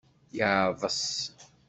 Yeɛḍes.